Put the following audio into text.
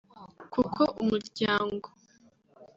kuko Umuryango